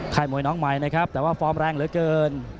มวยน้องใหม่นะครับแต่ว่าฟอร์มแรงเหลือเกิน